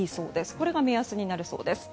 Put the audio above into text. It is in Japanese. これが目安になるそうです。